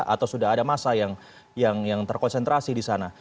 atau sudah ada masa yang terkonsentrasi di sana